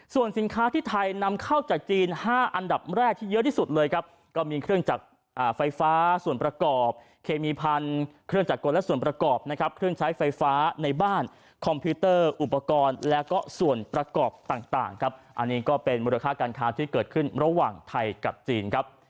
ส่วนสินค้าที่ไทยนำเข้าจากจีน๕อันดับแรกที่เยอะที่สุดเลยครับก็มีเครื่องจักรไฟฟ้าส่วนประกอบเคมีพันธุ์เครื่องจักรกลและส่วนประกอบนะครับเครื่องใช้ไฟฟ้าในบ้านคอมพิวเตอร์อุปกรณ์แล้วก็ส่วนประกอบต่างครับอันนี้ก็เป็นมูลค่าการค้าที่เกิดขึ้นระหว่างไทยกับจีนครับ